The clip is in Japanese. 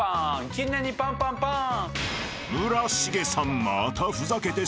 絹江にパンパンパン。